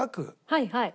はいはい。